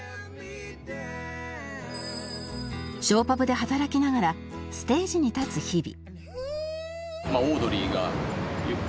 ショーパブで働きながらステージに立つ日々